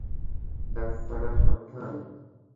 বাচ্চারা, সাবধান।